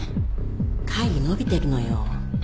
会議延びてるのよ。